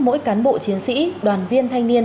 mỗi cán bộ chiến sĩ đoàn viên thanh niên